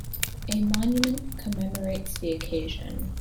A monument commemorates the occasion.